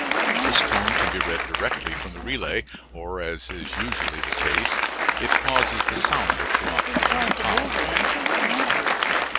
This tone can be read directly from the relay, or, as is usually the case, it causes the sounder to operate in the common way.